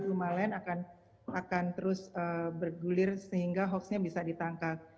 rumah lain akan terus bergulir sehingga hoax nya bisa ditangkap